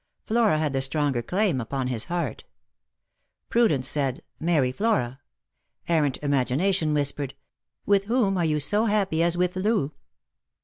Flora had the stronger claim upon his heart. Pru dence said, " Marry Flora." Errant imagination whispered, " With whom are you so happy as with Loo